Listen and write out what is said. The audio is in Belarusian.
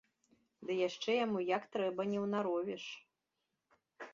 Ды яшчэ яму як трэба не ўнаровіш.